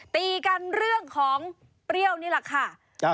ตีกันเรื่องของเปรี้ยวนี่แหละค่ะ